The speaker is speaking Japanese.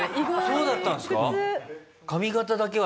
そうだったんですか？